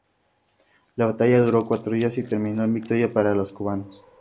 La batalla duró cuatro días y terminó en victoria para los cubanos.